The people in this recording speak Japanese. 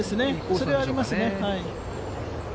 それはあります